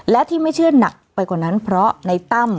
และที่ไม่เชื่อหนักไปกว่านั้นเพราะในตั้ม